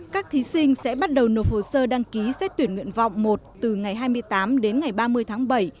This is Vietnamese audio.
các thí sinh sẽ bắt đầu nộp hồ sơ đăng ký xét tuyển nguyện vọng một từ ngày hai mươi tám đến ngày ba mươi tháng bảy